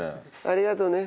ありがとうね。